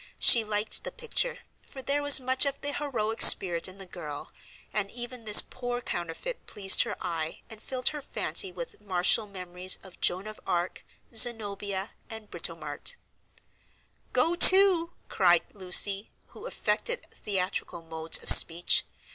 She liked the picture, for there was much of the heroic spirit in the girl, and even this poor counterfeit pleased her eye and filled her fancy with martial memories of Joan of Arc, Zenobia, and Britomarte. "Go to!" cried Lucy, who affected theatrical modes of speech.